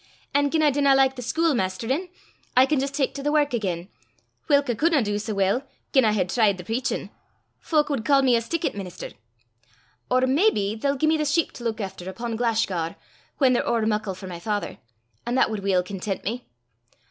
An' gien I dinna like the schuilmaisterin', I can jist tak to the wark again, whilk I cudna dee sae weel gien I had tried the preachin': fowk wad ca' me a stickit minister! Or maybe they'll gie me the sheep to luik efter upo' Glashgar, whan they're ower muckle for my father, an' that wad weel content me.